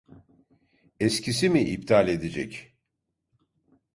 Eskisi mi iptal edecek.